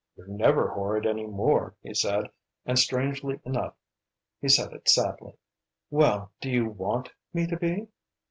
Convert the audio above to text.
"You're never horrid any more," he said, and, strangely enough, he said it sadly. "Well, do you want me to be?"